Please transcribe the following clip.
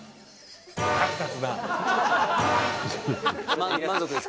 満足です。